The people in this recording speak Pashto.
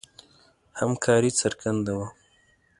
همکاري څرګنده وه.